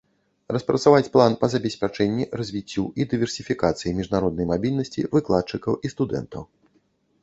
Распрацаваць план па забеспячэнні, развіццю і дыверсіфікацыі міжнароднай мабільнасці выкладчыкаў і студэнтаў.